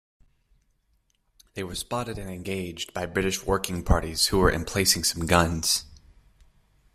They were spotted and engaged by British working parties who were emplacing some guns.